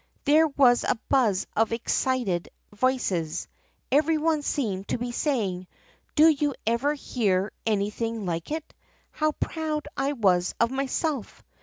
There was a buzz of excited voices. Every one seemed to be saying, 'Did you ever hear anything like it?' How proud I was of myself!